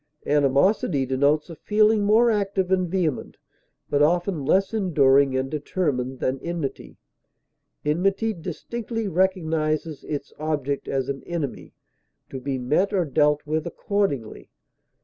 Animosity denotes a feeling more active and vehement, but often less enduring and determined, than enmity. Enmity distinctly recognizes its object as an enemy, to be met or dealt with accordingly.